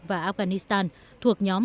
và afghanistan thuộc nhóm